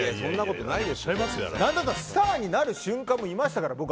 何だったらスターになる瞬間もいましたから、僕。